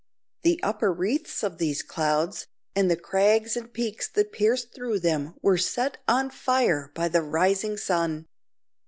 The upper wreaths of these clouds, and the crags and peaks that pierced through them were set on fire by the rising sun.